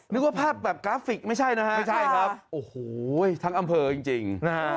นึกว่าภาพกราฟิกไม่ใช่ทางอำเภอจริง